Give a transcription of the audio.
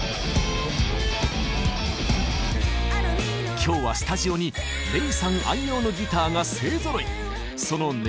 今日はスタジオにＲｅｉさん愛用のギターが勢ぞろい！